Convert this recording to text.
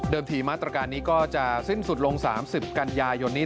ทีมาตรการนี้ก็จะสิ้นสุดลง๓๐กันยายนนี้